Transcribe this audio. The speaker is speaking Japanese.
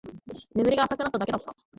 眠りが浅くなっただけだった